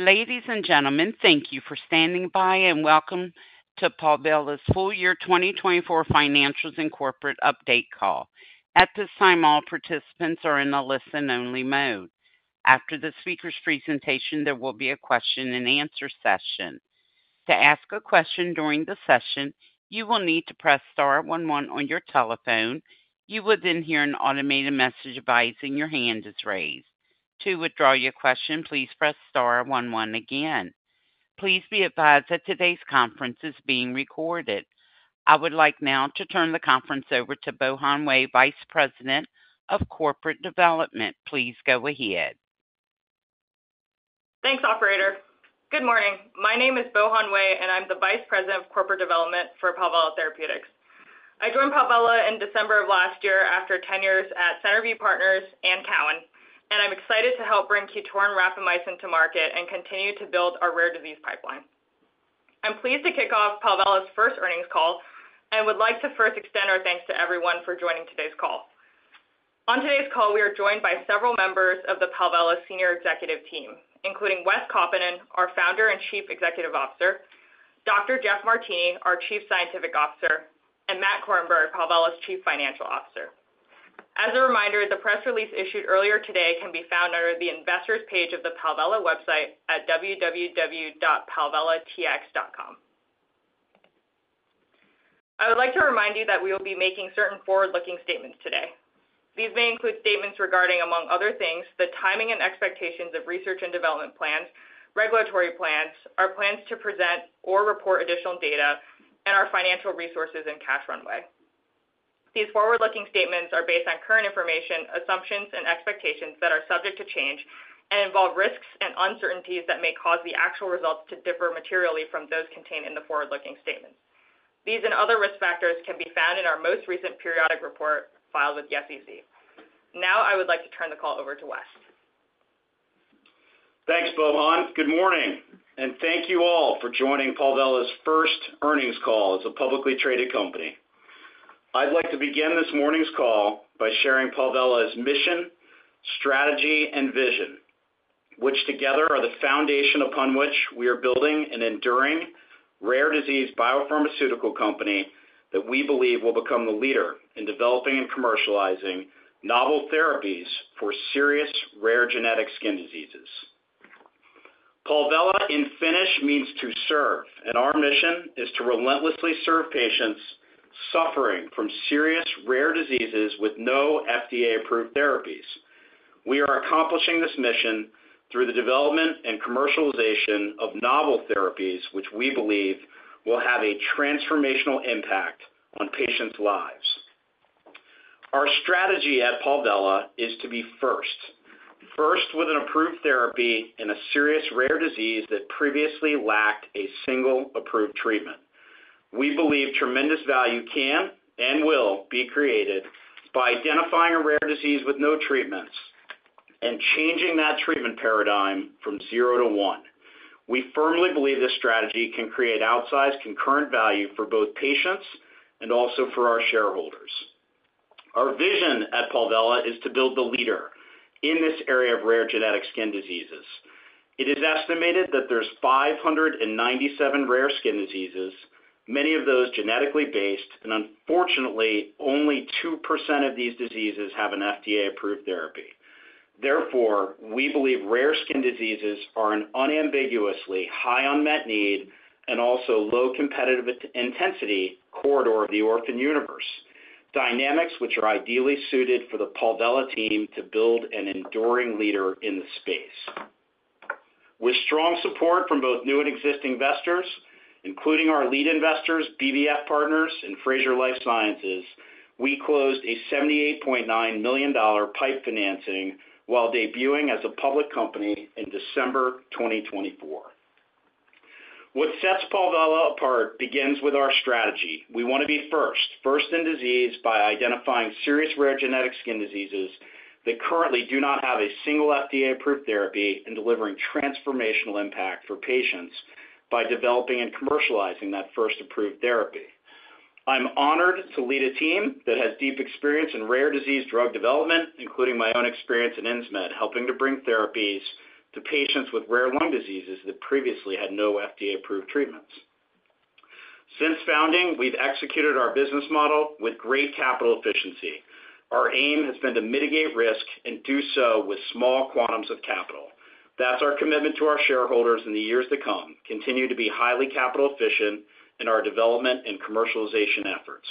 Ladies and gentlemen, thank you for standing by and welcome to Palvella's full-year 2024 financials and corporate update call. At this time, all participants are in a listen-only mode. After the speaker's presentation, there will be a question-and-answer session. To ask a question during the session, you will need to press star one one on your telephone. You will then hear an automated message advising your hand is raised. To withdraw your question, please press star one one again. Please be advised that today's conference is being recorded. I would like now to turn the conference over to Bohan Wei, Vice President of Corporate Development. Please go ahead. Thanks, Operator. Good morning. My name is Bohan Wei, and I'm the Vice President of Corporate Development for Palvella Therapeutics. I joined Palvella in December of last year after ten years at Centerview Partners and Cowen, and I'm excited to help bring QTORIN rapamycin to market and continue to build our rare disease pipeline. I'm pleased to kick off Palvella's first earnings call and would like to first extend our thanks to everyone for joining today's call. On today's call, we are joined by several members of the Palvella senior executive team, including Wes Kaupinen, our Founder and Chief Executive Officer, Dr. Jeff Martini, our Chief Scientific Officer, and Matt Korenberg, Palvella's Chief Financial Officer. As a reminder, the press release issued earlier today can be found under the investors' page of the Palvella website at www.palvellatx.com. I would like to remind you that we will be making certain forward-looking statements today. These may include statements regarding, among other things, the timing and expectations of research and development plans, regulatory plans, our plans to present or report additional data, and our financial resources and cash runway. These forward-looking statements are based on current information, assumptions, and expectations that are subject to change and involve risks and uncertainties that may cause the actual results to differ materially from those contained in the forward-looking statements. These and other risk factors can be found in our most recent periodic report filed with the SEC. Now, I would like to turn the call over to Wes. Thanks, Bohan. Good morning, and thank you all for joining Palvella's first earnings call as a publicly traded company. I'd like to begin this morning's call by sharing Palvella's mission, strategy, and vision, which together are the foundation upon which we are building an enduring rare disease biopharmaceutical company that we believe will become the leader in developing and commercializing novel therapies for serious rare genetic skin diseases. Palvella in Finnish means to serve, and our mission is to relentlessly serve patients suffering from serious rare diseases with no FDA-approved therapies. We are accomplishing this mission through the development and commercialization of novel therapies, which we believe will have a transformational impact on patients' lives. Our strategy at Palvella is to be first, first with an approved therapy in a serious rare disease that previously lacked a single approved treatment. We believe tremendous value can and will be created by identifying a rare disease with no treatments and changing that treatment paradigm from zero to one. We firmly believe this strategy can create outsized concurrent value for both patients and also for our shareholders. Our vision at Palvella is to build the leader in this area of rare genetic skin diseases. It is estimated that there are 597 rare skin diseases, many of those genetically based, and unfortunately, only 2% of these diseases have an FDA-approved therapy. Therefore, we believe rare skin diseases are an unambiguously high unmet-need and also low-competitive intensity corridor of the orphan universe, dynamics which are ideally suited for the Palvella team to build an enduring leader in the space. With strong support from both new and existing investors, including our lead investors, BVF Partners, and Frazier Life Sciences, we closed a $78.9 million PIPE financing while debuting as a public company in December 2024. What sets Palvella apart begins with our strategy. We want to be first, first in disease by identifying serious rare genetic skin diseases that currently do not have a single FDA-approved therapy and delivering transformational impact for patients by developing and commercializing that first-approved therapy. I'm honored to lead a team that has deep experience in rare disease drug development, including my own experience in Insmed, helping to bring therapies to patients with rare lung diseases that previously had no FDA-approved treatments. Since founding, we've executed our business model with great capital efficiency. Our aim has been to mitigate risk and do so with small quantums of capital. That's our commitment to our shareholders in the years to come: continue to be highly capital-efficient in our development and commercialization efforts.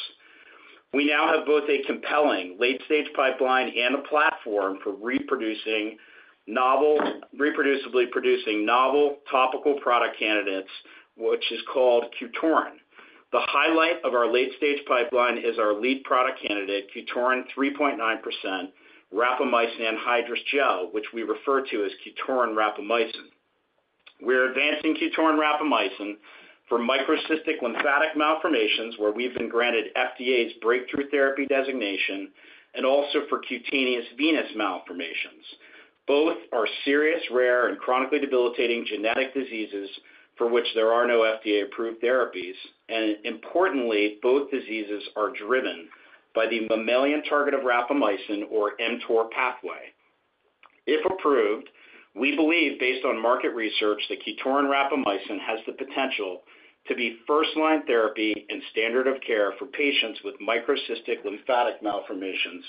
We now have both a compelling late-stage pipeline and a platform for reproducibly producing novel topical product candidates, which is called QTORIN. The highlight of our late-stage pipeline is our lead product candidate, QTORIN 3.9% rapamycin anhydrous gel, which we refer to as QTORIN rapamycin. We're advancing QTORIN rapamycin for microcystic lymphatic malformations, where we've been granted FDA's breakthrough therapy designation, and also for cutaneous venous malformations. Both are serious rare and chronically debilitating genetic diseases for which there are no FDA-approved therapies, and importantly, both diseases are driven by the mammalian target of rapamycin, or mTOR pathway. If approved, we believe, based on market research, that QTORIN rapamycin has the potential to be first-line therapy and standard of care for patients with microcystic lymphatic malformations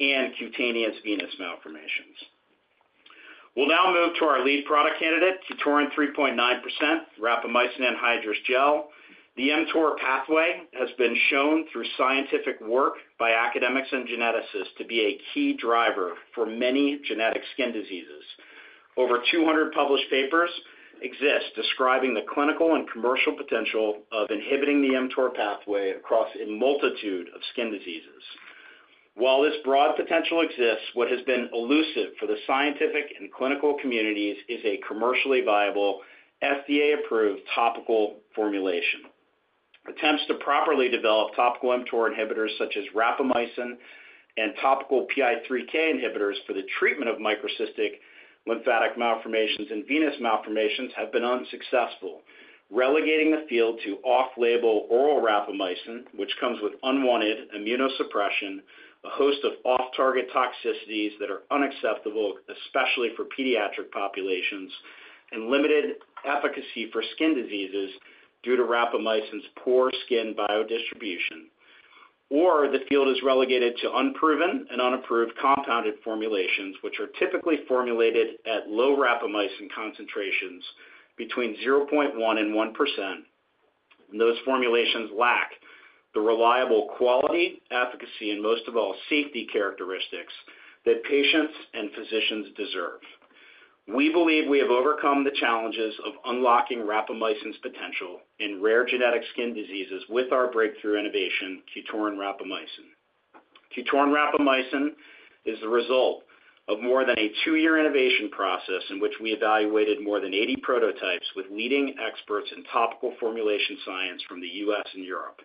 and cutaneous venous malformations. We will now move to our lead product candidate, QTORIN 3.9% rapamycin anhydrous gel. The mTOR pathway has been shown through scientific work by academics and geneticists to be a key driver for many genetic skin diseases. Over 200 published papers exist describing the clinical and commercial potential of inhibiting the mTOR pathway across a multitude of skin diseases. While this broad potential exists, what has been elusive for the scientific and clinical communities is a commercially viable, FDA-approved topical formulation. Attempts to properly develop topical mTOR inhibitors such as rapamycin and topical PI3K inhibitors for the treatment of microcystic lymphatic malformations and venous malformations have been unsuccessful, relegating the field to off-label oral rapamycin, which comes with unwanted immunosuppression, a host of off-target toxicities that are unacceptable, especially for pediatric populations, and limited efficacy for skin diseases due to rapamycin's poor skin biodistribution. The field is relegated to unproven and unapproved compounded formulations, which are typically formulated at low rapamycin concentrations between 0.1% and 1%. Those formulations lack the reliable quality, efficacy, and most of all, safety characteristics that patients and physicians deserve. We believe we have overcome the challenges of unlocking rapamycin's potential in rare genetic skin diseases with our breakthrough innovation, QTORIN rapamycin. QTORIN rapamycin is the result of more than a two-year innovation process in which we evaluated more than 80 prototypes with leading experts in topical formulation science from the U.S. and Europe.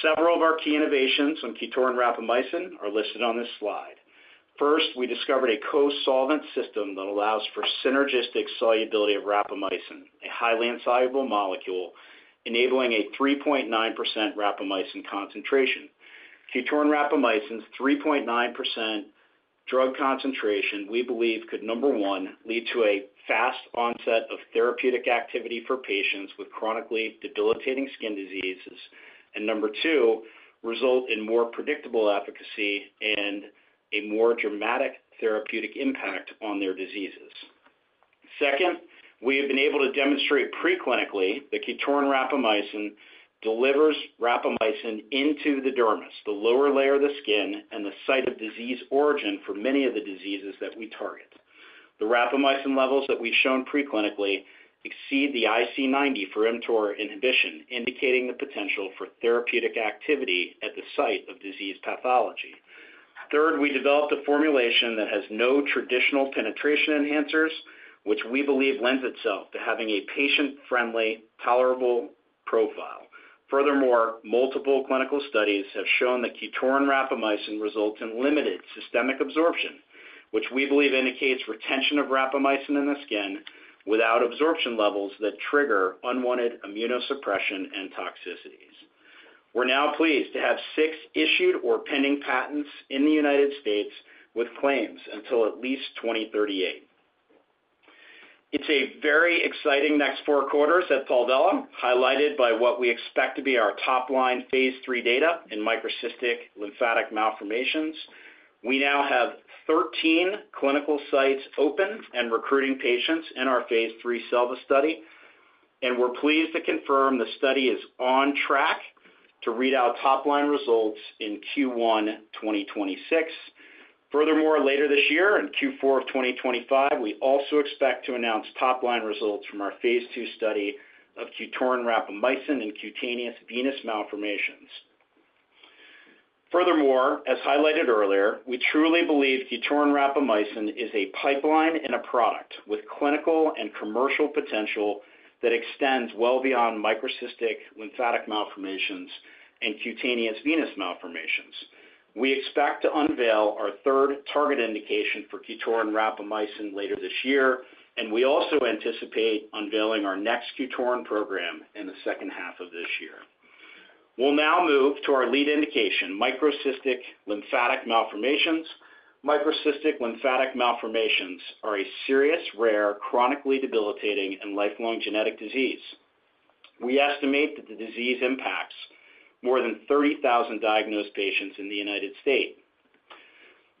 Several of our key innovations on QTORIN rapamycin are listed on this slide. First, we discovered a co-solvent system that allows for synergistic solubility of rapamycin, a highly insoluble molecule enabling a 3.9% rapamycin concentration. QTORIN rapamycin's 3.9% drug concentration, we believe, could, number one, lead to a fast onset of therapeutic activity for patients with chronically debilitating skin diseases, and number two, result in more predictable efficacy and a more dramatic therapeutic impact on their diseases. Second, we have been able to demonstrate pre-clinically that QTORIN rapamycin delivers rapamycin into the dermis, the lower layer of the skin, and the site of disease origin for many of the diseases that we target. The rapamycin levels that we've shown pre-clinically exceed the IC90 for mTOR inhibition, indicating the potential for therapeutic activity at the site of disease pathology. Third, we developed a formulation that has no traditional penetration enhancers, which we believe lends itself to having a patient-friendly, tolerable profile. Furthermore, multiple clinical studies have shown that QTORIN rapamycin results in limited systemic absorption, which we believe indicates retention of rapamycin in the skin without absorption levels that trigger unwanted immunosuppression and toxicities. We're now pleased to have six issued or pending patents in the United States with claims until at least 2038. It's a very exciting next four quarters at Palvella, highlighted by what we expect to be our top-line Phase 3 data in microcystic lymphatic malformations. We now have 13 clinical sites open and recruiting patients in our Phase 3 SELVA study, and we're pleased to confirm the study is on track to read out top-line results in Q1 2026. Furthermore, later this year in Q4 of 2025, we also expect to announce top-line results from our Phase 2 study of QTORIN rapamycin in cutaneous venous malformations. Furthermore, as highlighted earlier, we truly believe QTORIN rapamycin is a pipeline and a product with clinical and commercial potential that extends well beyond microcystic lymphatic malformations and cutaneous venous malformations. We expect to unveil our third target indication for QTORIN rapamycin later this year, and we also anticipate unveiling our next QTORIN program in the second half of this year. We'll now move to our lead indication, microcystic lymphatic malformations. Microcystic lymphatic malformations are a serious rare chronically debilitating and lifelong genetic disease. We estimate that the disease impacts more than 30,000 diagnosed patients in the United States.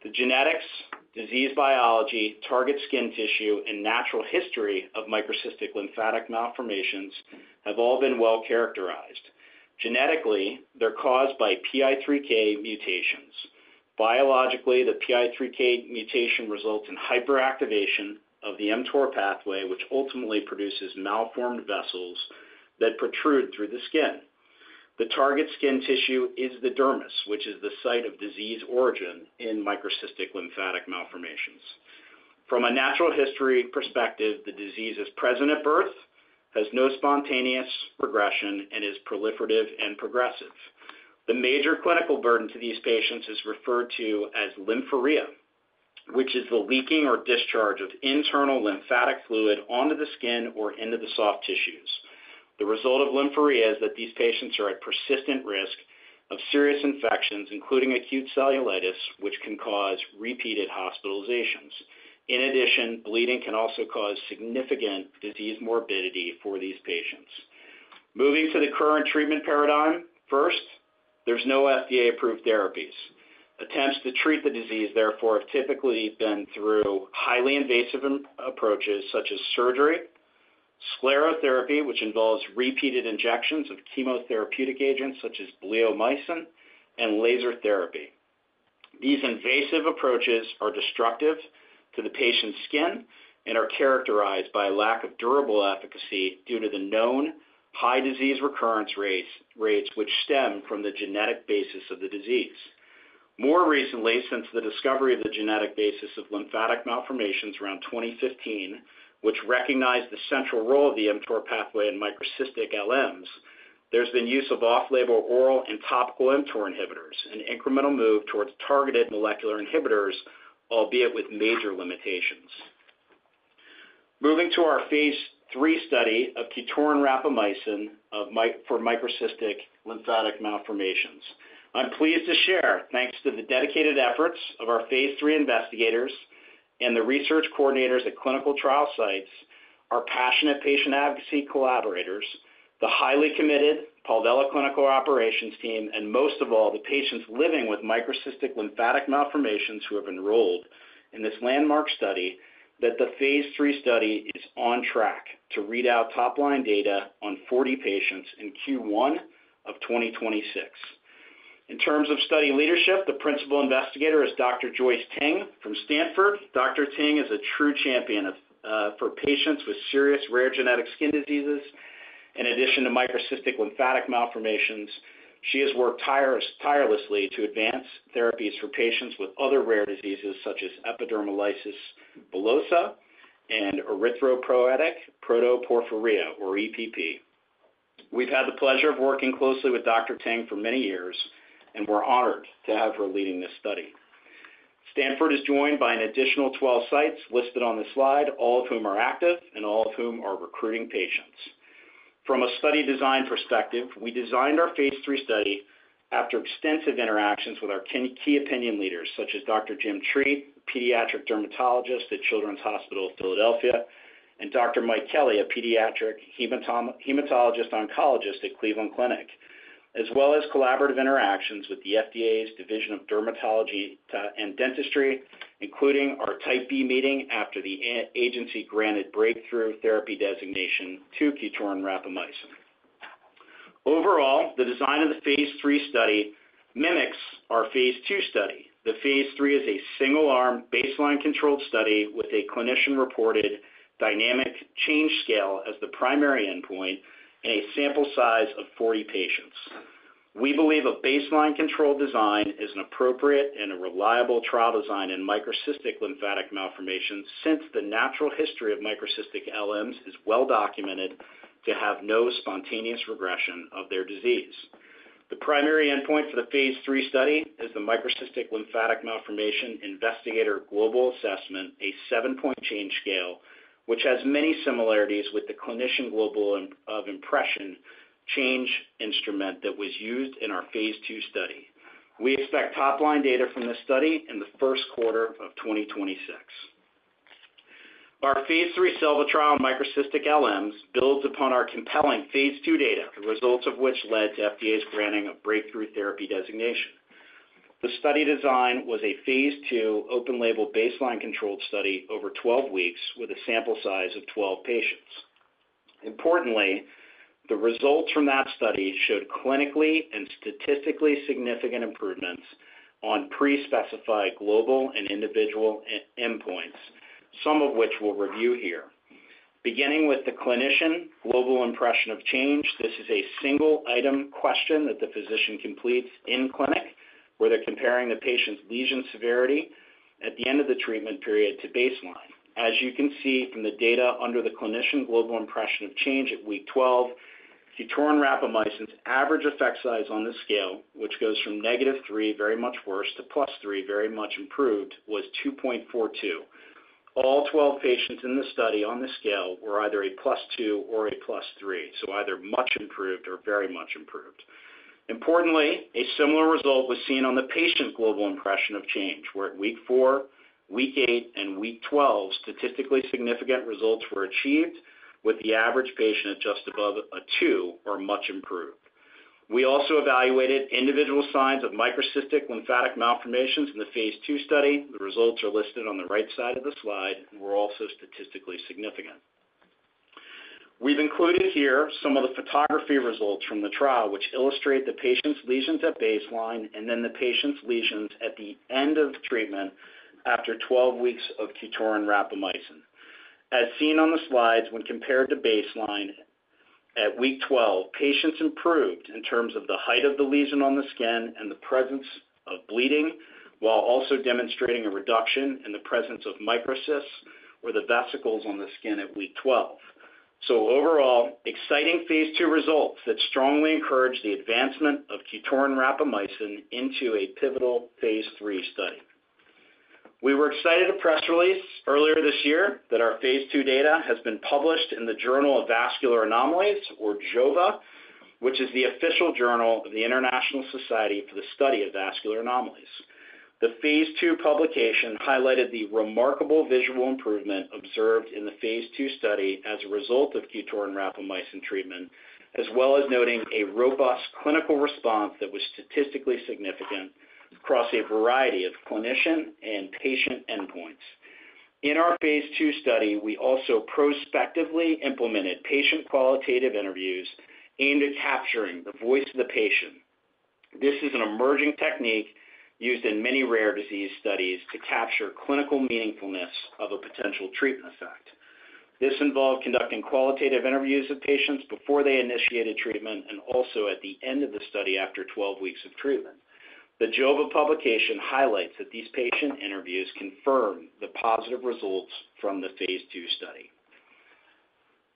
The genetics, disease biology, target skin tissue, and natural history of microcystic lymphatic malformations have all been well characterized. Genetically, they're caused by PI3K mutations. Biologically, the PI3K mutation results in hyperactivation of the mTOR pathway, which ultimately produces malformed vessels that protrude through the skin. The target skin tissue is the dermis, which is the site of disease origin in microcystic lymphatic malformations. From a natural history perspective, the disease is present at birth, has no spontaneous progression, and is proliferative and progressive. The major clinical burden to these patients is referred to as lymphorrhea, which is the leaking or discharge of internal lymphatic fluid onto the skin or into the soft tissues. The result of lymphorrhea is that these patients are at persistent risk of serious infections, including acute cellulitis, which can cause repeated hospitalizations. In addition, bleeding can also cause significant disease morbidity for these patients. Moving to the current treatment paradigm, first, there's no FDA-approved therapies. Attempts to treat the disease, therefore, have typically been through highly invasive approaches such as surgery, sclerotherapy, which involves repeated injections of chemotherapeutic agents such as bleomycin, and laser therapy. These invasive approaches are destructive to the patient's skin and are characterized by a lack of durable efficacy due to the known high disease recurrence rates, which stem from the genetic basis of the disease. More recently, since the discovery of the genetic basis of lymphatic malformations around 2015, which recognized the central role of the mTOR pathway and microcystic LMs, there's been use of off-label oral and topical mTOR inhibitors, an incremental move towards targeted molecular inhibitors, albeit with major limitations. Moving to our Phase 3 study of QTORIN rapamycin for microcystic lymphatic malformations. I'm pleased to share, thanks to the dedicated efforts of our Phase 3 investigators and the research coordinators at clinical trial sites, our passionate patient advocacy collaborators, the highly committed Palvella Clinical Operations Team, and most of all, the patients living with microcystic lymphatic malformations who have enrolled in this landmark study, that the Phase 3 study is on track to read out top-line data on 40 patients in Q1 of 2026. In terms of study leadership, the principal investigator is Dr. Joyce Teng from Stanford. Dr. Teng is a true champion for patients with serious rare genetic skin diseases. In addition to microcystic lymphatic malformations, she has worked tirelessly to advance therapies for patients with other rare diseases such as epidermolysis bullosa and erythropoietic protoporphyria, or EPP. We've had the pleasure of working closely with Dr. Teng for many years, and we're honored to have her leading this study. Stanford is joined by an additional 12 sites listed on the slide, all of whom are active and all of whom are recruiting patients. From a study design perspective, we designed our Phase 3 study after extensive interactions with our key opinion leaders, such as Dr. Jim Treat, a pediatric dermatologist at Children's Hospital of Philadelphia, and Dr. Mike Kelly, a pediatric hematologist-oncologist at Cleveland Clinic, as well as collaborative interactions with the FDA's Division of Dermatology and Dentistry, including our Type B meeting after the agency granted breakthrough therapy designation to QTORIN rapamycin. Overall, the design of the Phase 3 study mimics our Phase 2 study. The Phase 3 is a single-arm, baseline-controlled study with a clinician-reported dynamic change scale as the primary endpoint and a sample size of 40 patients. We believe a baseline-controlled design is an appropriate and a reliable trial design in microcystic lymphatic malformations since the natural history of microcystic LMs is well documented to have no spontaneous regression of their disease. The primary endpoint for the Phase 3 study is the Microcystic Lymphatic Malformation Investigator Global Assessment, a seven-point change scale, which has many similarities with the Clinician Global of Impression Change instrument that was used in our Phase 2 study. We expect top-line data from this study in the first quarter of 2026. Our Phase 3 SELVA trial on microcystic LMs builds upon our compelling Phase 2 data, the results of which led to FDA's granting of breakthrough therapy designation. The study design was a Phase 2 open-label baseline-controlled study over 12 weeks with a sample size of 12 patients. Importantly, the results from that study showed clinically and statistically significant improvements on pre-specified global and individual endpoints, some of which we'll review here. Beginning with the Clinician Global Impression of Change, this is a single-item question that the physician completes in clinic where they're comparing the patient's lesion severity at the end of the treatment period to baseline. As you can see from the data under the Clinician Global Impression of Change at week 12, QTORIN rapamycin's average effect size on the scale, which goes from negative three, very much worse, to plus three, very much improved, was 2.42. All 12 patients in the study on the scale were either a plus two or a plus three, so either much improved or very much improved. Importantly, a similar result was seen on the Patient Global Impression of Change, where at week four, week eight, and week 12, statistically significant results were achieved with the average patient at just above a two or much improved. We also evaluated individual signs of microcystic lymphatic malformations in the Phase 2 study. The results are listed on the right side of the slide and were also statistically significant. We've included here some of the photography results from the trial, which illustrate the patient's lesions at baseline and then the patient's lesions at the end of treatment after 12 weeks of QTORIN rapamycin. As seen on the slides, when compared to baseline at week 12, patients improved in terms of the height of the lesion on the skin and the presence of bleeding, while also demonstrating a reduction in the presence of microcysts or the vesicles on the skin at week 12. Overall, exciting Phase 2 results that strongly encourage the advancement of QTORIN rapamycin into a pivotal Phase 3 study. We were excited to press release earlier this year that our Phase 2 data has been published in the Journal of Vascular Anomalies, or JOVA, which is the official journal of the International Society for the Study of Vascular Anomalies. The Phase 2 publication highlighted the remarkable visual improvement observed in the Phase 2 study as a result of QTORIN rapamycin treatment, as well as noting a robust clinical response that was statistically significant across a variety of clinician and patient endpoints. In our Phase 2 study, we also prospectively implemented patient qualitative interviews aimed at capturing the voice of the patient. This is an emerging technique used in many rare disease studies to capture clinical meaningfulness of a potential treatment effect. This involved conducting qualitative interviews with patients before they initiated treatment and also at the end of the study after 12 weeks of treatment. The JOVA publication highlights that these patient interviews confirmed the positive results from the Phase 2 study.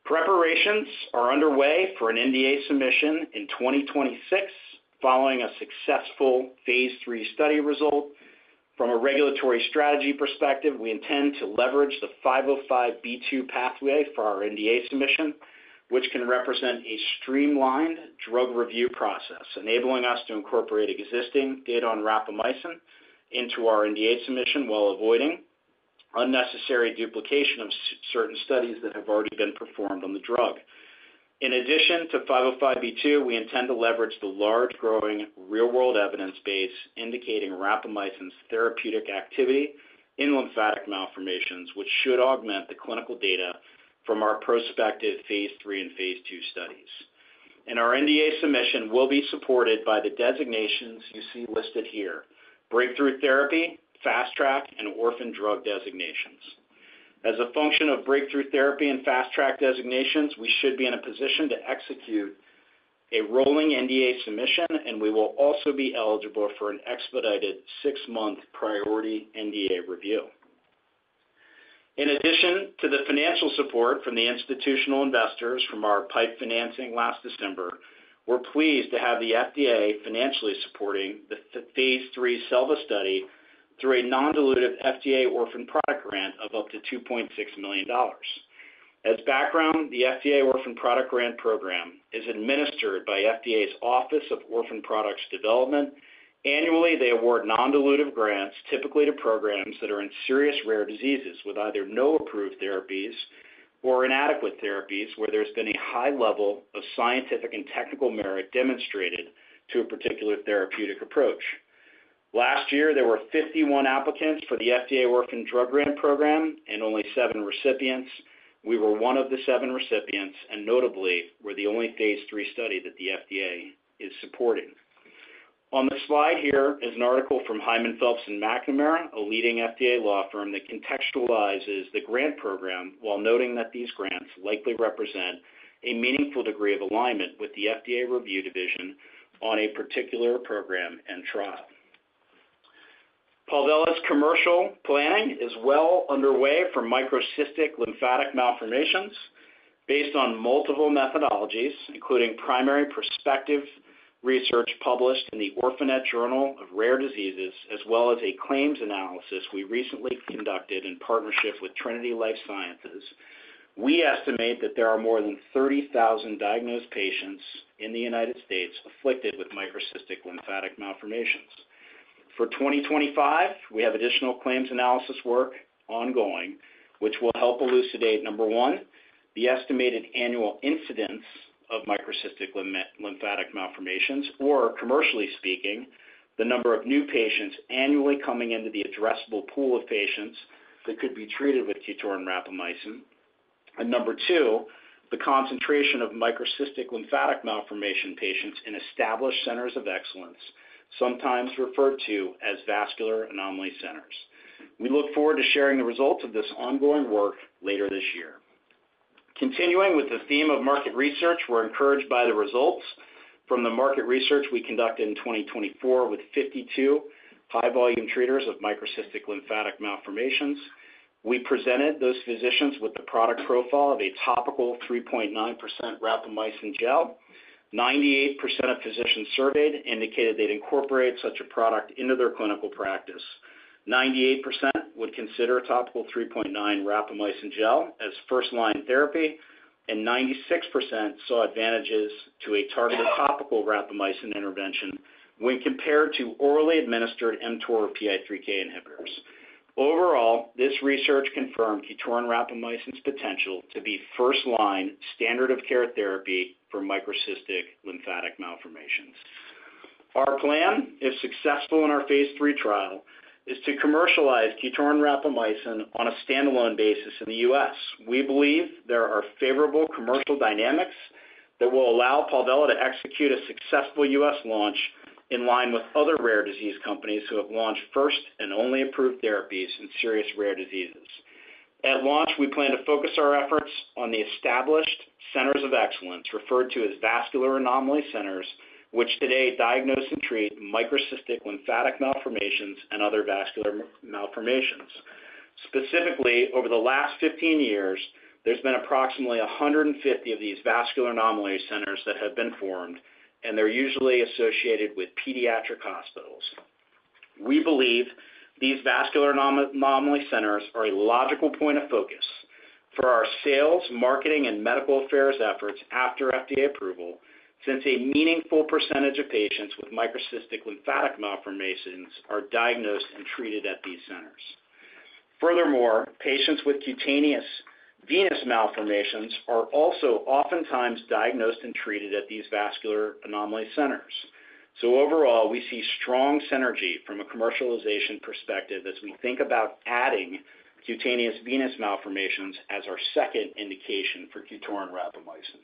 Preparations are underway for an NDA submission in 2026 following a successful Phase 3 study result. From a regulatory strategy perspective, we intend to leverage the 505(b)(2) pathway for our NDA submission, which can represent a streamlined drug review process, enabling us to incorporate existing data on rapamycin into our NDA submission while avoiding unnecessary duplication of certain studies that have already been performed on the drug. In addition to 505(b)(2), we intend to leverage the large-growing real-world evidence base indicating rapamycin's therapeutic activity in lymphatic malformations, which should augment the clinical data from our prospective Phase 3 and Phase 2 studies. Our NDA submission will be supported by the designations you see listed here: breakthrough therapy, fast track, and orphan drug designations. As a function of breakthrough therapy and fast track designations, we should be in a position to execute a rolling NDA submission, and we will also be eligible for an expedited six-month priority NDA review. In addition to the financial support from the institutional investors from our PIPE financing last December, we're pleased to have the FDA financially supporting the Phase 3 SELVA study through a non-dilutive FDA orphan product grant of up to $2.6 million. As background, the FDA orphan product grant program is administered by FDA's Office of Orphan Products Development. Annually, they award non-dilutive grants, typically to programs that are in serious rare diseases with either no approved therapies or inadequate therapies where there's been a high level of scientific and technical merit demonstrated to a particular therapeutic approach. Last year, there were 51 applicants for the FDA orphan drug grant program and only seven recipients. We were one of the seven recipients and notably, we're the only Phase 3 study that the FDA is supporting. On the slide here is an article from Hyman Phelps and McNamara, a leading FDA law firm that contextualizes the grant program while noting that these grants likely represent a meaningful degree of alignment with the FDA review division on a particular program and trial. Palvella's commercial planning is well underway for microcystic lymphatic malformations based on multiple methodologies, including primary prospective research published in the Orphanet Journal of Rare Diseases, as well as a claims analysis we recently conducted in partnership with Trinity Life Sciences. We estimate that there are more than 30,000 diagnosed patients in the United States afflicted with microcystic lymphatic malformations. For 2025, we have additional claims analysis work ongoing, which will help elucidate, number one, the estimated annual incidence of microcystic lymphatic malformations, or commercially speaking, the number of new patients annually coming into the addressable pool of patients that could be treated with QTORIN rapamycin. Number two, the concentration of microcystic lymphatic malformation patients in established centers of excellence, sometimes referred to as vascular anomaly centers. We look forward to sharing the results of this ongoing work later this year. Continuing with the theme of market research, we're encouraged by the results from the market research we conducted in 2024 with 52 high-volume treaters of microcystic lymphatic malformations. We presented those physicians with the product profile of a topical 3.9% rapamycin gel. 98% of physicians surveyed indicated they'd incorporate such a product into their clinical practice. 98% would consider topical 3.9% rapamycin gel as first-line therapy, and 96% saw advantages to a targeted topical rapamycin intervention when compared to orally administered mTOR PI3K inhibitors. Overall, this research confirmed QTORIN rapamycin's potential to be first-line standard of care therapy for microcystic lymphatic malformations. Our plan, if successful in our Phase 3 trial, is to commercialize QTORIN rapamycin on a standalone basis in the U.S. We believe there are favorable commercial dynamics that will allow Palvella to execute a successful U.S. launch in line with other rare disease companies who have launched first and only approved therapies in serious rare diseases. At launch, we plan to focus our efforts on the established centers of excellence, referred to as vascular anomaly centers, which today diagnose and treat microcystic lymphatic malformations and other vascular malformations. Specifically, over the last 15 years, there's been approximately 150 of these vascular anomaly centers that have been formed, and they're usually associated with pediatric hospitals. We believe these vascular anomaly centers are a logical point of focus for our sales, marketing, and medical affairs efforts after FDA approval, since a meaningful percentage of patients with microcystic lymphatic malformations are diagnosed and treated at these centers. Furthermore, patients with cutaneous venous malformations are also oftentimes diagnosed and treated at these vascular anomaly centers. Overall, we see strong synergy from a commercialization perspective as we think about adding cutaneous venous malformations as our second indication for QTORIN rapamycin.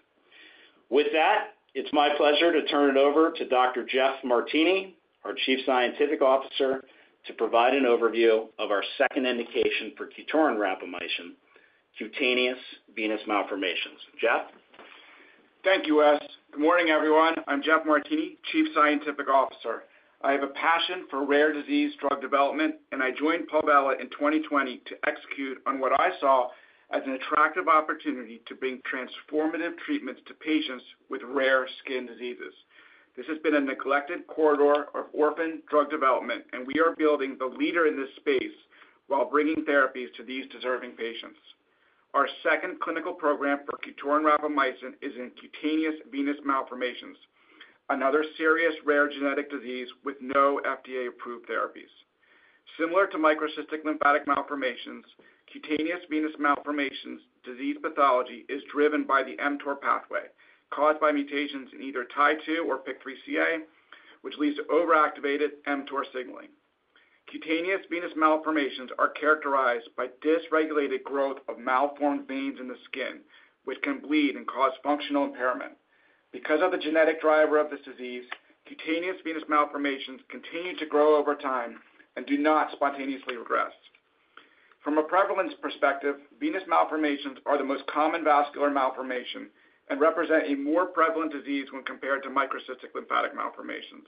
With that, it's my pleasure to turn it over to Dr. Jeff Martini, our Chief Scientific Officer, to provide an overview of our second indication for QTORIN rapamycin, cutaneous venous malformations. Jeff? Thank you, Wes. Good morning, everyone. I'm Jeff Martini, Chief Scientific Officer. I have a passion for rare disease drug development, and I joined Palvella in 2020 to execute on what I saw as an attractive opportunity to bring transformative treatments to patients with rare skin diseases. This has been a neglected corridor of orphan drug development, and we are building the leader in this space while bringing therapies to these deserving patients. Our second clinical program for QTORIN rapamycin is in cutaneous venous malformations, another serious rare genetic disease with no FDA-approved therapies. Similar to microcystic lymphatic malformations, cutaneous venous malformations disease pathology is driven by the mTOR pathway caused by mutations in either TIE2 or PIK3CA, which leads to overactivated mTOR signaling. Cutaneous venous malformations are characterized by dysregulated growth of malformed veins in the skin, which can bleed and cause functional impairment. Because of the genetic driver of this disease, cutaneous venous malformations continue to grow over time and do not spontaneously regress. From a prevalence perspective, venous malformations are the most common vascular malformation and represent a more prevalent disease when compared to microcystic lymphatic malformations.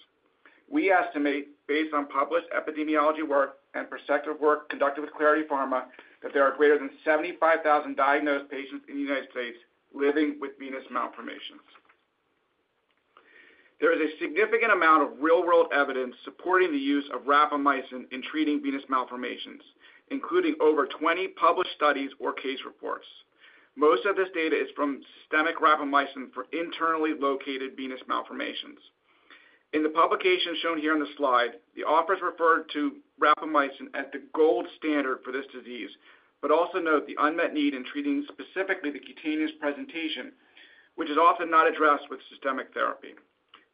We estimate, based on published epidemiology work and prospective work conducted with Clarity Pharma, that there are greater than 75,000 diagnosed patients in the United States living with venous malformations. There is a significant amount of real-world evidence supporting the use of rapamycin in treating venous malformations, including over 20 published studies or case reports. Most of this data is from systemic rapamycin for internally located venous malformations. In the publication shown here on the slide, the authors refer to rapamycin as the gold standard for this disease, but also note the unmet need in treating specifically the cutaneous presentation, which is often not addressed with systemic therapy.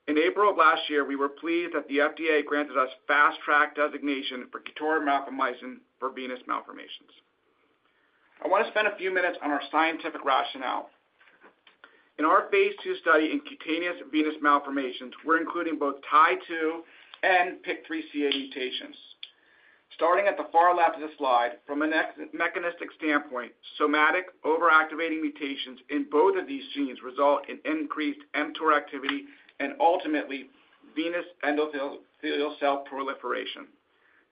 In April of last year, we were pleased that the FDA granted us fast track designation for QTORIN rapamycin for venous malformations. I want to spend a few minutes on our scientific rationale. In our Phase 2 study in cutaneous venous malformations, we're including both TIE2 and PIK3CA mutations. Starting at the far left of the slide, from a mechanistic standpoint, somatic overactivating mutations in both of these genes result in increased mTOR activity and ultimately venous endothelial cell proliferation.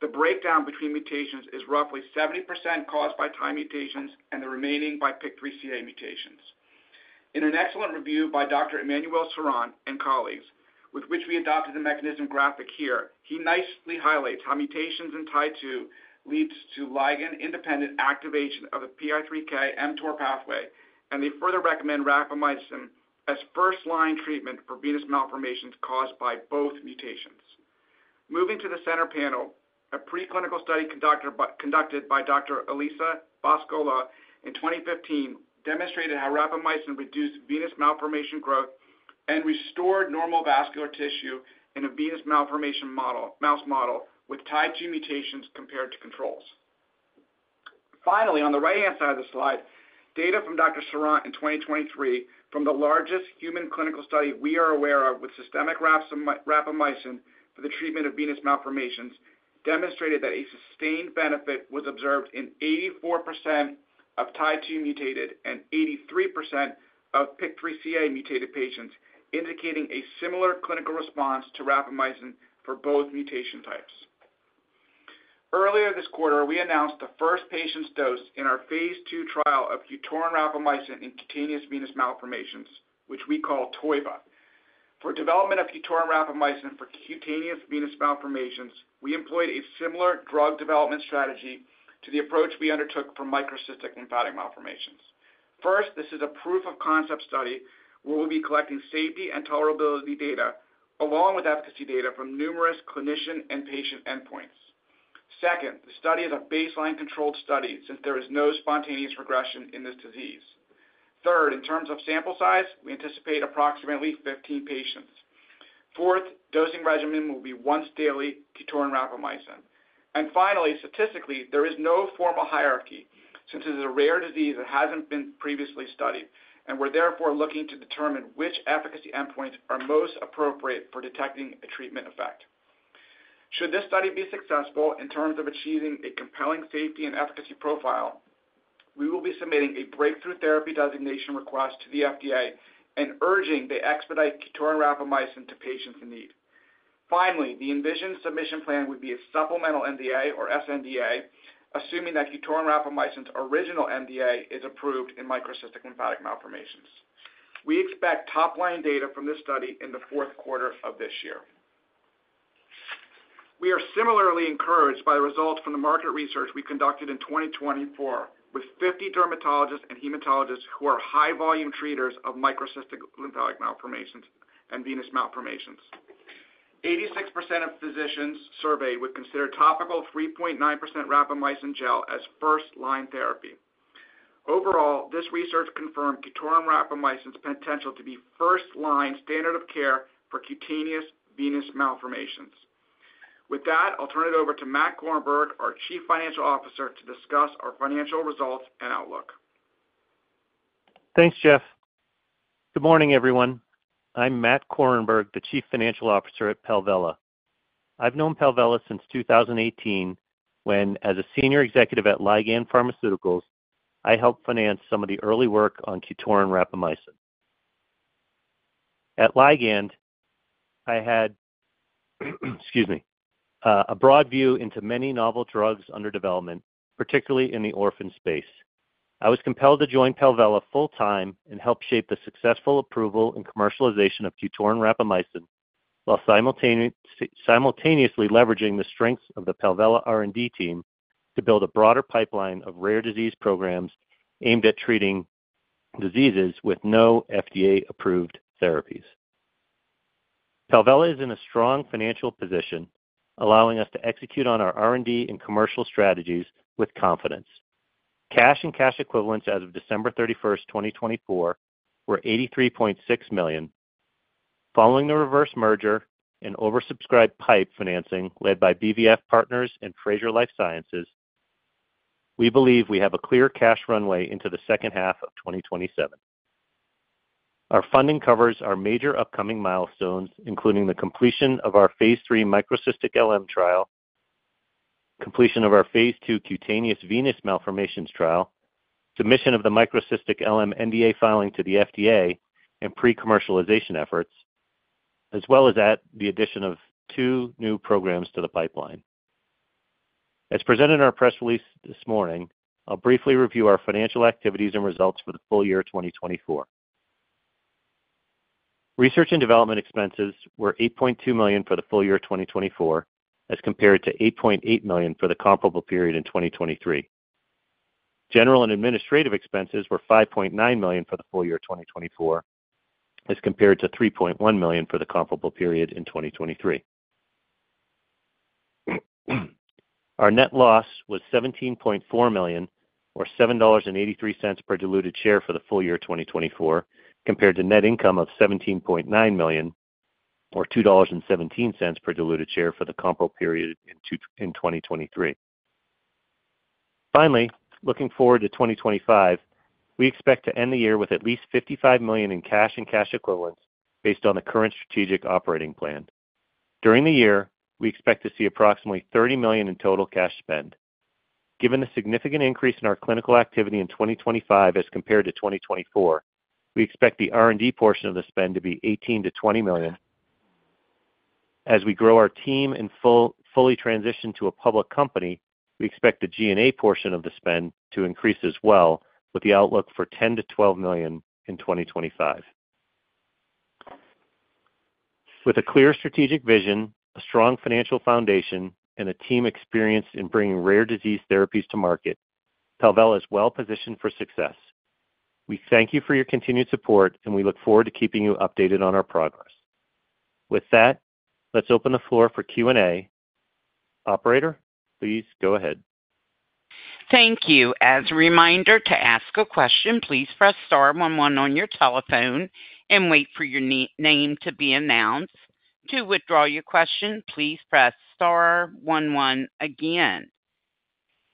The breakdown between mutations is roughly 70% caused by TIE2 mutations and the remaining by PIK3CA mutations. In an excellent review by Dr. Emmanuel Serran and colleagues, with which we adopted the mechanism graphic here, he nicely highlights how mutations in TIE2 lead to ligand-independent activation of the PI3K mTOR pathway, and they further recommend rapamycin as first-line treatment for venous malformations caused by both mutations. Moving to the center panel, a preclinical study conducted by Dr. Elisa Boscolo in 2015 demonstrated how rapamycin reduced venous malformation growth and restored normal vascular tissue in a venous malformation mouse model with TIE2 mutations compared to controls. Finally, on the right-hand side of the slide, data from Dr. Seront in 2023 from the largest human clinical study we are aware of with systemic rapamycin for the treatment of venous malformations demonstrated that a sustained benefit was observed in 84% of TIE2 mutated and 83% of PIK3CA mutated patients, indicating a similar clinical response to rapamycin for both mutation types. Earlier this quarter, we announced the first patient's dose in our Phase 2 trial of QTORIN rapamycin in cutaneous venous malformations, which we call TOIVA. For development of QTORIN rapamycin for cutaneous venous malformations, we employed a similar drug development strategy to the approach we undertook for microcystic lymphatic malformations. First, this is a proof of concept study where we will be collecting safety and tolerability data along with efficacy data from numerous clinician and patient endpoints. Second, the study is a baseline controlled study since there is no spontaneous regression in this disease. Third, in terms of sample size, we anticipate approximately 15 patients. Fourth, dosing regimen will be once daily QTORIN rapamycin. Finally, statistically, there is no formal hierarchy since it is a rare disease that has not been previously studied, and we are therefore looking to determine which efficacy endpoints are most appropriate for detecting a treatment effect. Should this study be successful in terms of achieving a compelling safety and efficacy profile, we will be submitting a breakthrough therapy designation request to the FDA and urging they expedite QTORIN rapamycin to patients in need. Finally, the envisioned submission plan would be a supplemental NDA or sNDA, assuming that QTORIN rapamycin's original NDA is approved in microcystic lymphatic malformations. We expect top-line data from this study in the fourth quarter of this year. We are similarly encouraged by the results from the market research we conducted in 2024 with 50 dermatologists and hematologists who are high-volume treaters of microcystic lymphatic malformations and venous malformations. 86% of physicians surveyed would consider topical 3.9% rapamycin gel as first-line therapy. Overall, this research confirmed QTORIN rapamycin's potential to be first-line standard of care for cutaneous venous malformations. With that, I'll turn it over to Matt Korenberg, our Chief Financial Officer, to discuss our financial results and outlook. Thanks, Jeff. Good morning, everyone. I'm Matt Korenberg, the Chief Financial Officer at Palvella. I've known Palvella since 2018 when, as a senior executive at Ligand Pharmaceuticals, I helped finance some of the early work on QTORIN rapamycin. At Ligand, I had, excuse me, a broad view into many novel drugs under development, particularly in the orphan space. I was compelled to join Palvella full-time and help shape the successful approval and commercialization of QTORIN rapamycin while simultaneously leveraging the strengths of the Palvella R&D team to build a broader pipeline of rare disease programs aimed at treating diseases with no FDA-approved therapies. Palvella is in a strong financial position, allowing us to execute on our R&D and commercial strategies with confidence. Cash and cash equivalents as of December 31st, 2024, were $83.6 million. Following the reverse merger and oversubscribed PIPE financing led by BVF Partners and Frazier Life Sciences, we believe we have a clear cash runway into the second half of 2027. Our funding covers our major upcoming milestones, including the completion of our Phase 3 microcystic LM trial, completion of our Phase 2 cutaneous venous malformations trial, submission of the microcystic LM NDA filing to the FDA, and pre-commercialization efforts, as well as the addition of two new programs to the pipeline. As presented in our press release this morning, I'll briefly review our financial activities and results for the full year 2024. Research and development expenses were $8.2 million for the full year 2024, as compared to $8.8 million for the comparable period in 2023. General and administrative expenses were $5.9 million for the full year 2024, as compared to $3.1 million for the comparable period in 2023. Our net loss was $17.4 million, or $7.83 per diluted share for the full year 2024, compared to net income of $17.9 million, or $2.17 per diluted share for the comparable period in 2023. Finally, looking forward to 2025, we expect to end the year with at least $55 million in cash and cash equivalents based on the current strategic operating plan. During the year, we expect to see approximately $30 million in total cash spend. Given the significant increase in our clinical activity in 2025 as compared to 2024, we expect the R&D portion of the spend to be $18-$20 million. As we grow our team and fully transition to a public company, we expect the G&A portion of the spend to increase as well, with the outlook for $10-$12 million in 2025. With a clear strategic vision, a strong financial foundation, and a team experienced in bringing rare disease therapies to market, Palvella is well positioned for success. We thank you for your continued support, and we look forward to keeping you updated on our progress. With that, let's open the floor for Q&A. Operator, please go ahead. Thank you. As a reminder to ask a question, please press star one one on your telephone and wait for your name to be announced. To withdraw your question, please press star one one again.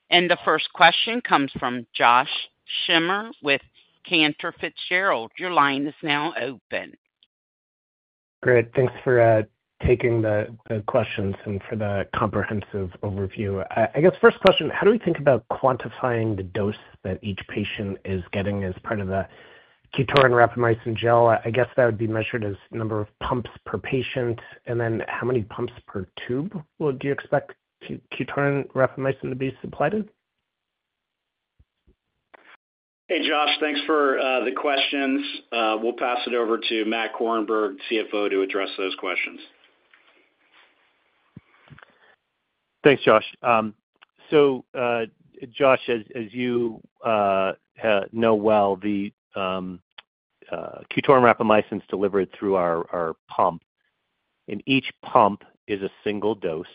The first question comes from Josh Schimmer with Cantor Fitzgerald. Your line is now open. Great. Thanks for taking the questions and for the comprehensive overview. I guess first question, how do we think about quantifying the dose that each patient is getting as part of the QTORIN rapamycin gel? I guess that would be measured as number of pumps per patient. Then how many pumps per tube do you expect QTORIN rapamycin to be supplied in? Hey, Josh, thanks for the questions. We'll pass it over to Matt Korenberg, CFO, to address those questions. Thanks, Josh. Josh, as you know well, QTORIN rapamycin is delivered through our pump. Each pump is a single dose.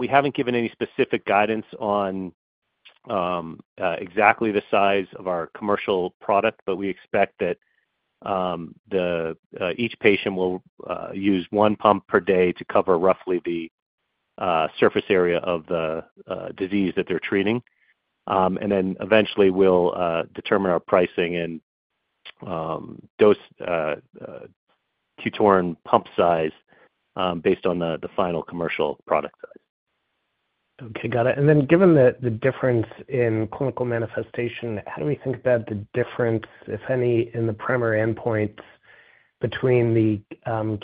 We haven't given any specific guidance on exactly the size of our commercial product, but we expect that each patient will use one pump per day to cover roughly the surface area of the disease that they're treating. Eventually, we'll determine our pricing and dose QTORIN pump size based on the final commercial product size. Okay, got it. Given the difference in clinical manifestation, how do we think about the difference, if any, in the primary endpoints between the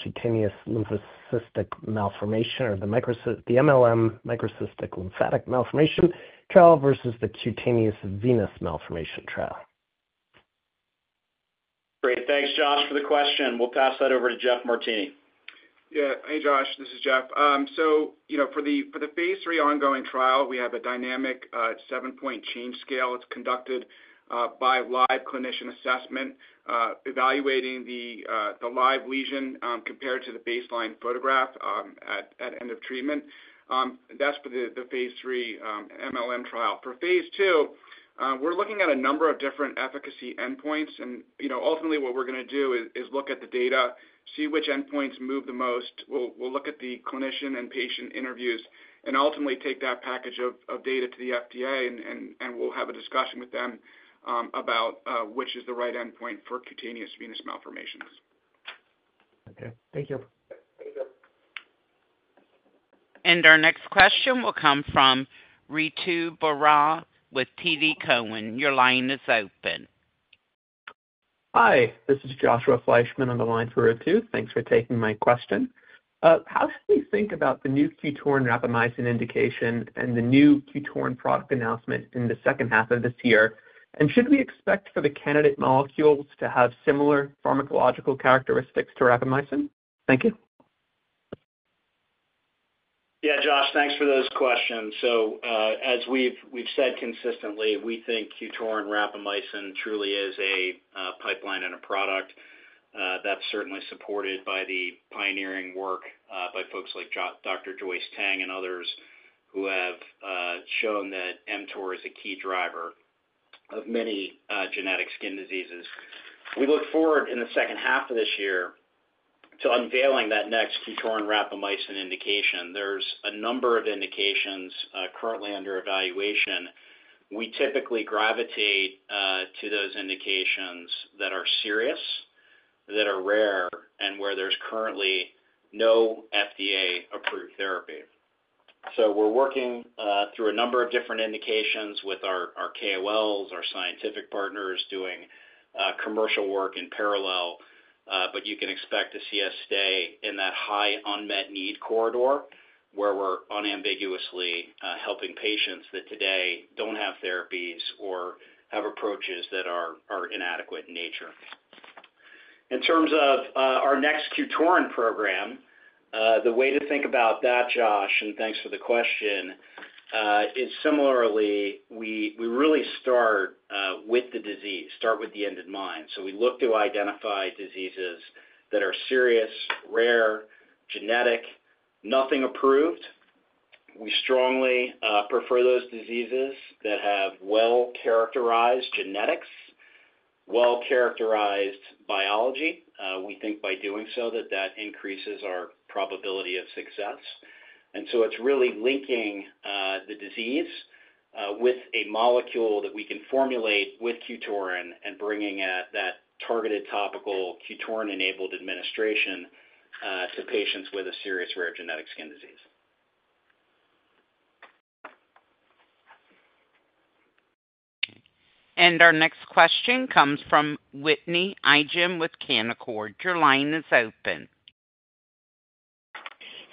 cutaneous lymphocystic malformation or the MLM microcystic lymphatic malformation trial versus the cutaneous venous malformation trial? Great. Thanks, Josh, for the question. We'll pass that over to Jeff Martini. Yeah. Hey, Josh, this is Jeff. For the Phase 3 ongoing trial, we have a dynamic seven-point change scale. It is conducted by live clinician assessment, evaluating the live lesion compared to the baseline photograph at end of treatment. That is for the Phase 3 MLM trial. For Phase 2, we are looking at a number of different efficacy endpoints. Ultimately, what we are going to do is look at the data, see which endpoints move the most. We will look at the clinician and patient interviews and ultimately take that package of data to the FDA, and we will have a discussion with them about which is the right endpoint for cutaneous venous malformations. Okay. Thank you. Our next question will come from Ritu Baral with TD Cowen. Your line is open. Hi, this is Joshua Fleishman on the line for Ritu. Thanks for taking my question. How should we think about the new QTORIN rapamycin indication and the new QTORIN product announcement in the second half of this year? Should we expect for the candidate molecules to have similar pharmacological characteristics to rapamycin? Thank you. Yeah, Josh, thanks for those questions. As we've said consistently, we think QTORIN rapamycin truly is a pipeline and a product that's certainly supported by the pioneering work by folks like Dr. Joyce Teng and others who have shown that mTOR is a key driver of many genetic skin diseases. We look forward in the second half of this year to unveiling that next QTORIN rapamycin indication. There's a number of indications currently under evaluation. We typically gravitate to those indications that are serious, that are rare, and where there's currently no FDA-approved therapy. We're working through a number of different indications with our KOLs, our scientific partners doing commercial work in parallel, but you can expect to see us stay in that high unmet need corridor where we're unambiguously helping patients that today don't have therapies or have approaches that are inadequate in nature. In terms of our next QTORIN program, the way to think about that, Josh, and thanks for the question, is similarly, we really start with the disease, start with the end in mind. We look to identify diseases that are serious, rare, genetic, nothing approved. We strongly prefer those diseases that have well-characterized genetics, well-characterized biology. We think by doing so that that increases our probability of success. It is really linking the disease with a molecule that we can formulate with QTORIN and bringing that targeted topical QTORIN-enabled administration to patients with a serious, rare genetic skin disease. Our next question comes from Whitney Ijem with Canaccord. Your line is open.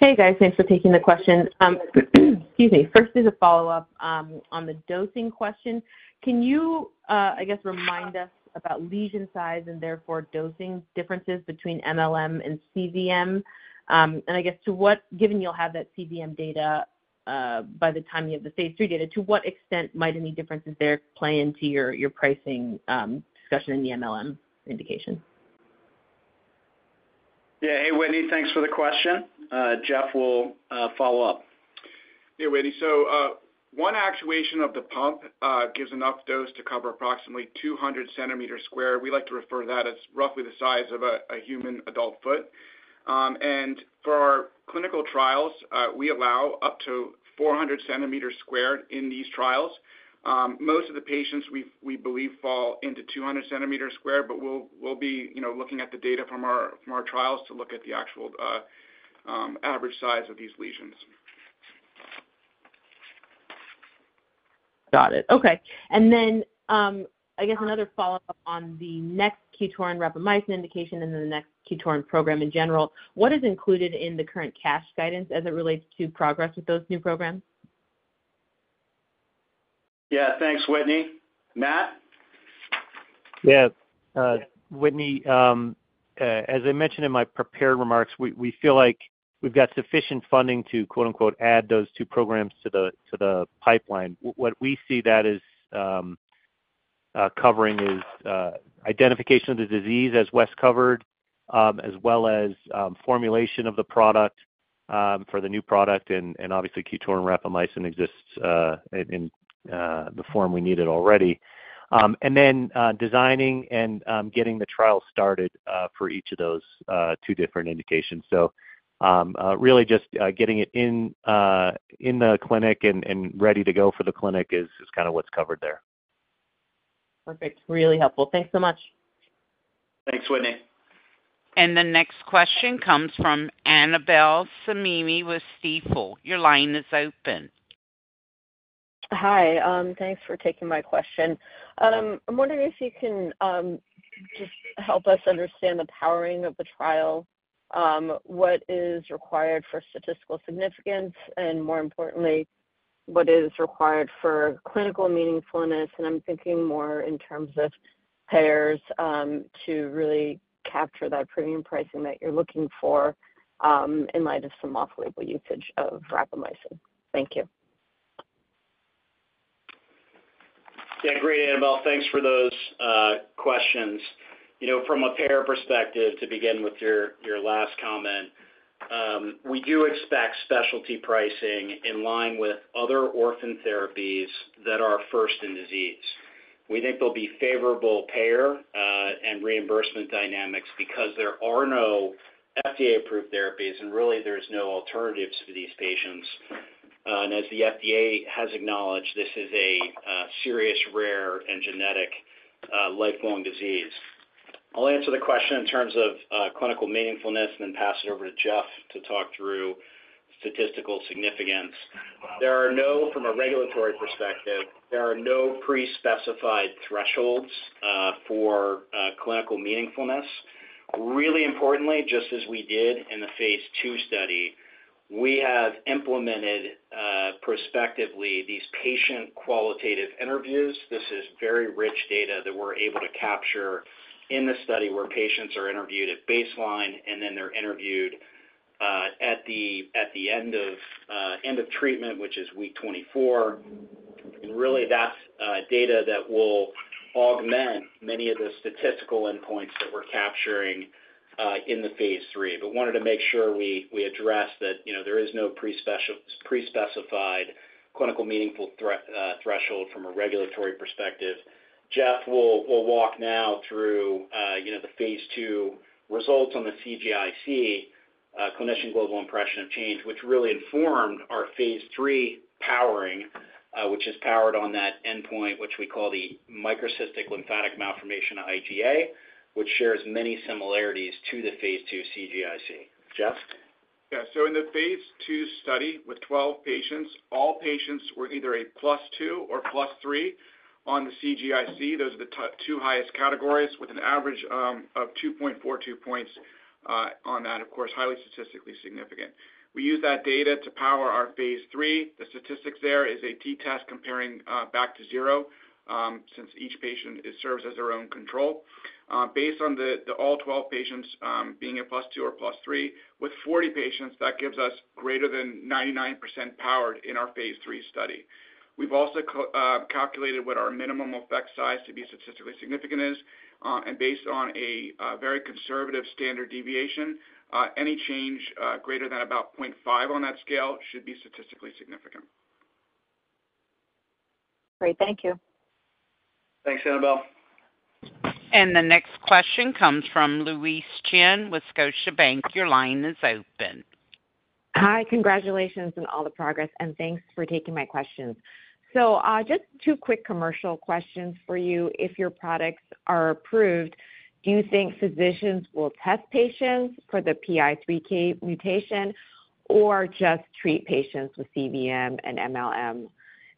Hey, guys. Thanks for taking the question. Excuse me. First is a follow-up on the dosing question. Can you, I guess, remind us about lesion size and therefore dosing differences between MLM and CVM? And I guess, given you'll have that CVM data by the time you have the Phase 3 data, to what extent might any differences there play into your pricing discussion in the MLM indication? Yeah. Hey, Whitney. Thanks for the question. Jeff will follow up. Yeah, Whitney. One actuation of the pump gives enough dose to cover approximately 200 cm sq. We like to refer to that as roughly the size of a human adult foot. For our clinical trials, we allow up to 400 cm sq in these trials. Most of the patients, we believe, fall into 200 cm sq, but we'll be looking at the data from our trials to look at the actual average size of these lesions. Got it. Okay. I guess another follow-up on the next QTORIN rapamycin indication and then the next QTORIN program in general. What is included in the current cash guidance as it relates to progress with those new programs? Yeah. Thanks, Whitney. Matt? Yeah. Whitney, as I mentioned in my prepared remarks, we feel like we've got sufficient funding to add those two programs to the pipeline. What we see that is covering is identification of the disease as Wes covered, as well as formulation of the product for the new product. Obviously, QTORIN rapamycin exists in the form we need it already. Designing and getting the trial started for each of those two different indications is next. Really just getting it in the clinic and ready to go for the clinic is kind of what's covered there. Perfect. Really helpful. Thanks so much. Thanks, Whitney. The next question comes from Annabel Samimy with Stifel. Your line is open. Hi. Thanks for taking my question. I'm wondering if you can just help us understand the powering of the trial. What is required for statistical significance? More importantly, what is required for clinical meaningfulness? I'm thinking more in terms of payers to really capture that premium pricing that you're looking for in light of some off-label usage of rapamycin. Thank you. Yeah. Great, Annabel, thanks for those questions. From a payer perspective, to begin with your last comment, we do expect specialty pricing in line with other orphan therapies that are first in disease. We think there will be favorable payer and reimbursement dynamics because there are no FDA-approved therapies, and really, there are no alternatives for these patients. As the FDA has acknowledged, this is a serious, rare, and genetic lifelong disease. I'll answer the question in terms of clinical meaningfulness and then pass it over to Jeff to talk through statistical significance. From a regulatory perspective, there are no pre-specified thresholds for clinical meaningfulness. Really importantly, just as we did in the Phase 2 study, we have implemented prospectively these patient qualitative interviews. This is very rich data that we're able to capture in the study where patients are interviewed at baseline, and then they're interviewed at the end of treatment, which is week 24. That is data that will augment many of the statistical endpoints that we're capturing in the Phase 3. I wanted to make sure we address that there is no pre-specified clinical meaningful threshold from a regulatory perspective. Jeff will walk now through the Phase 2 results on the CGIC, Clinician Global Impression of Change, which really informed our Phase 3 powering, which is powered on that endpoint, which we call the microcystic lymphatic malformation IGA, which shares many similarities to the Phase 2 CGIC. Jeff? Yeah. In the Phase 2 study with 12 patients, all patients were either a plus two or plus three on the CGIC. Those are the two highest categories with an average of 2.42 points on that, of course, highly statistically significant. We use that data to power our Phase 3. The statistics there is a T-test comparing back to zero since each patient serves as their own control. Based on all 12 patients being a plus two or plus three with 40 patients, that gives us greater than 99% powered in our Phase 3 study. We've also calculated what our minimum effect size to be statistically significant is. Based on a very conservative standard deviation, any change greater than about 0.5 on that scale should be statistically significant. Great. Thank you. Thanks, Annabel. The next question comes from Louise Chen with Scotiabank. Your line is open. Hi. Congratulations on all the progress, and thanks for taking my questions. Just two quick commercial questions for you. If your products are approved, do you think physicians will test patients for the PI3K mutation or just treat patients with CVM and MLM?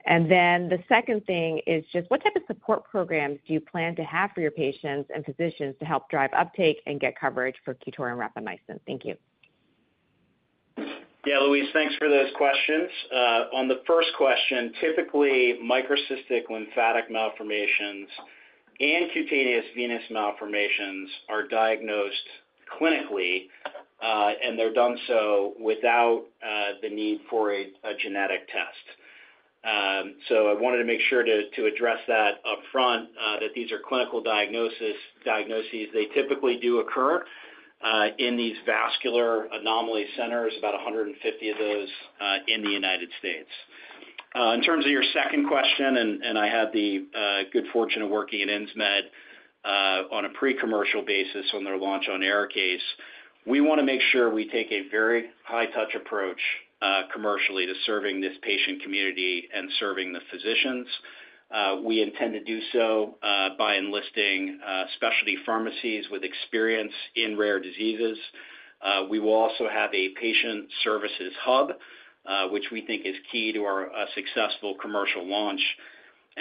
The second thing is just what type of support programs do you plan to have for your patients and physicians to help drive uptake and get coverage for QTORIN rapamycin? Thank you. Yeah, Louise, thanks for those questions. On the first question, typically, microcystic lymphatic malformations and cutaneous venous malformations are diagnosed clinically, and they're done so without the need for a genetic test. I wanted to make sure to address that upfront, that these are clinical diagnoses. They typically do occur in these vascular anomaly centers, about 150 of those in the United States. In terms of your second question, I had the good fortune of working at Insmed on a pre-commercial basis on their launch on Arikayce. We want to make sure we take a very high-touch approach commercially to serving this patient community and serving the physicians. We intend to do so by enlisting specialty pharmacies with experience in rare diseases. We will also have a patient services hub, which we think is key to our successful commercial launch.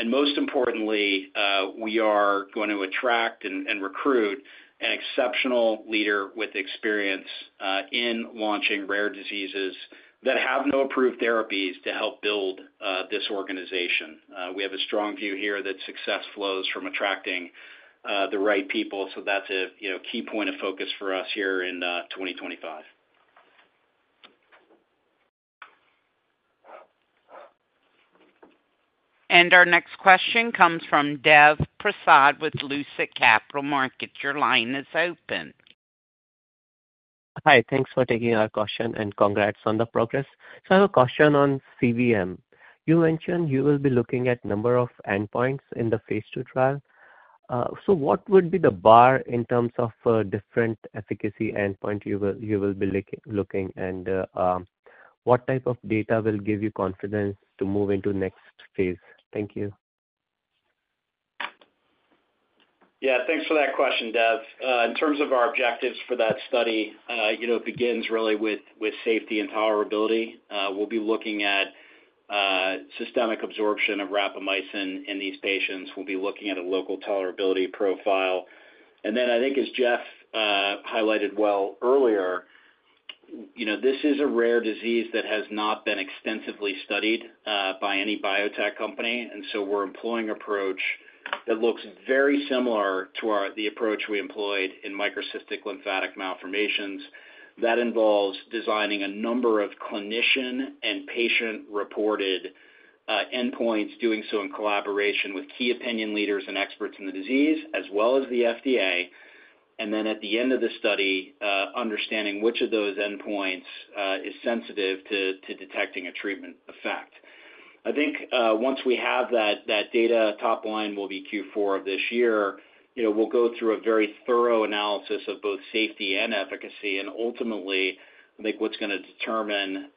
Most importantly, we are going to attract and recruit an exceptional leader with experience in launching rare diseases that have no approved therapies to help build this organization. We have a strong view here that success flows from attracting the right people. That is a key point of focus for us here in 2025. Our next question comes from Dev Prasad with Lucid Capital Markets. Your line is open. Hi. Thanks for taking our question and congrats on the progress. I have a question on CVM. You mentioned you will be looking at a number of endpoints in the Phase 2 trial. What would be the bar in terms of different efficacy endpoints you will be looking at? What type of data will give you confidence to move into the next phase? Thank you. Yeah. Thanks for that question, Dev. In terms of our objectives for that study, it begins really with safety and tolerability. We'll be looking at systemic absorption of rapamycin in these patients. We'll be looking at a local tolerability profile. I think, as Jeff highlighted well earlier, this is a rare disease that has not been extensively studied by any biotech company. We are employing an approach that looks very similar to the approach we employed in microcystic lymphatic malformations. That involves designing a number of clinician and patient-reported endpoints, doing so in collaboration with key opinion leaders and experts in the disease, as well as the FDA. At the end of the study, understanding which of those endpoints is sensitive to detecting a treatment effect. I think once we have that data, top line will be Q4 of this year. We'll go through a very thorough analysis of both safety and efficacy. Ultimately, I think what's going to determine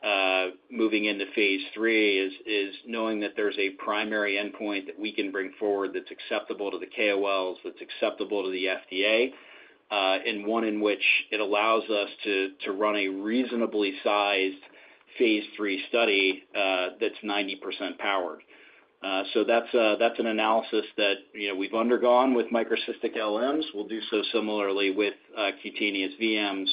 moving into Phase 3 is knowing that there's a primary endpoint that we can bring forward that's acceptable to the KOLs, that's acceptable to the FDA, and one in which it allows us to run a reasonably sized Phase 3 study that's 90% powered. That's an analysis that we've undergone with microcystic LMs. We'll do so similarly with cutaneous VMs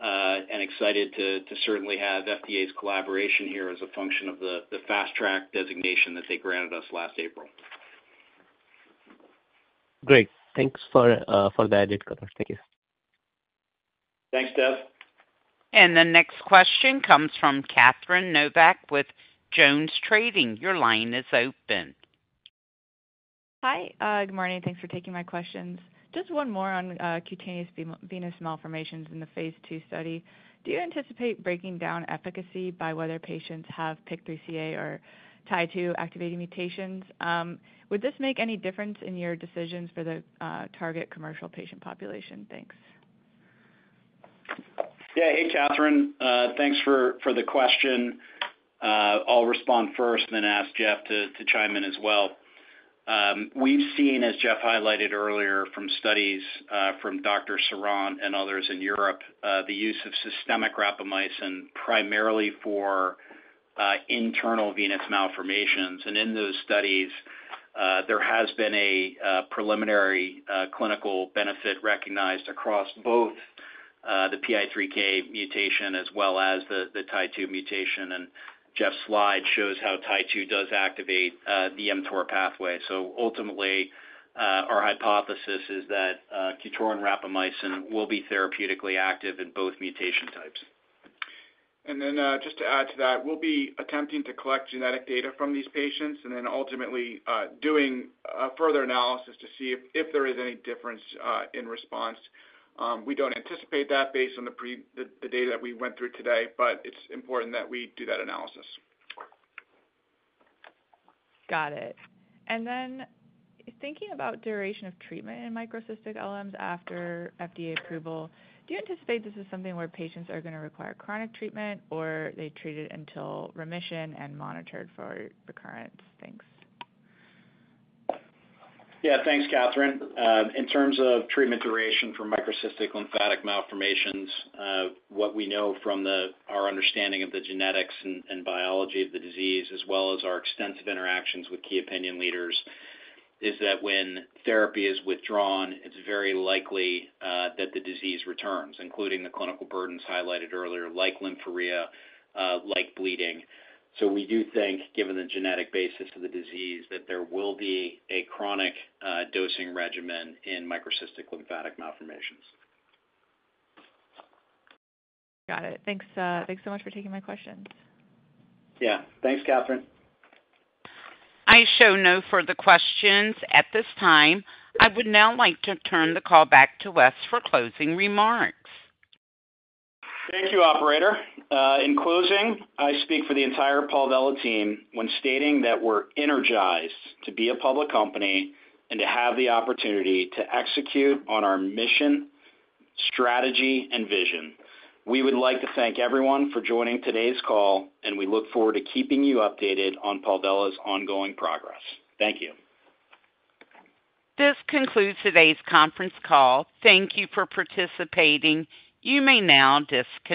and excited to certainly have FDA's collaboration here as a function of the fast track designation that they granted us last April. Great. Thanks for the added coverage. Thank you. Thanks, Dev. The next question comes from Catherine Novack with JonesTrading. Your line is open. Hi. Good morning. Thanks for taking my questions. Just one more on cutaneous venous malformations in the Phase 2 study. Do you anticipate breaking down efficacy by whether patients have PI3K or TIE2 activating mutations? Would this make any difference in your decisions for the target commercial patient population? Thanks. Yeah. Hey, Catherine. Thanks for the question. I'll respond first and then ask Jeff to chime in as well. We've seen, as Jeff highlighted earlier from studies from Dr. Seront and others in Europe, the use of systemic rapamycin primarily for internal venous malformations. In those studies, there has been a preliminary clinical benefit recognized across both the PI3K mutation as well as the TIE2 mutation. Jeff's slide shows how TIE2 does activate the mTOR pathway. Ultimately, our hypothesis is that QTORIN rapamycin will be therapeutically active in both mutation types. Just to add to that, we'll be attempting to collect genetic data from these patients and then ultimately doing further analysis to see if there is any difference in response. We don't anticipate that based on the data that we went through today, but it's important that we do that analysis. Got it. Thinking about duration of treatment in microcystic LMs after FDA approval, do you anticipate this is something where patients are going to require chronic treatment or they treat it until remission and monitored for recurrence? Thanks. Yeah. Thanks, Catherine. In terms of treatment duration for microcystic lymphatic malformations, what we know from our understanding of the genetics and biology of the disease, as well as our extensive interactions with key opinion leaders, is that when therapy is withdrawn, it is very likely that the disease returns, including the clinical burdens highlighted earlier, like lymphorrhea, like bleeding. We do think, given the genetic basis of the disease, that there will be a chronic dosing regimen in microcystic lymphatic malformations. Got it. Thanks so much for taking my questions. Yeah. Thanks, Catherine. I show no further questions at this time. I would now like to turn the call back to Wes for closing remarks. Thank you, operator. In closing, I speak for the entire Palvella team when stating that we're energized to be a public company and to have the opportunity to execute on our mission, strategy, and vision. We would like to thank everyone for joining today's call, and we look forward to keeping you updated on Palvella's ongoing progress. Thank you. This concludes today's conference call. Thank you for participating. You may now disconnect.